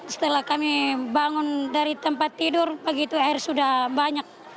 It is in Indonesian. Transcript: setelah kami bangun dari tempat tidur pagi itu air sudah banyak